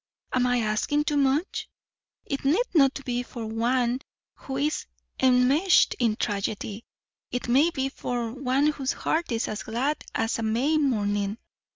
Am I asking too much? It need not be for one who is enmeshed in tragedy it may be for one whose heart is as glad as a May morning.